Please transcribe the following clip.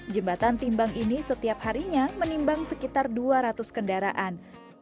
jembatan timbang ini setiap harinya menimbang sekitar dua ratus kendaraan